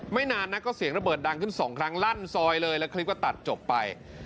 นานนักก็เสียงระเบิดดังขึ้นสองครั้งลั่นซอยเลยแล้วคลิปก็ตัดจบไป